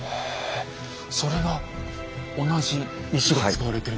それが同じ石が使われてるんですね。